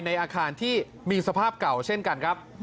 ในอาคารที่มีสภาพเก่าเช่นกันครับ